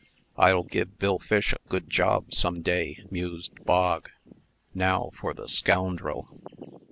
"I'll give Bill Fish a good job, some day," mused Bog. "Now for the scoundrel."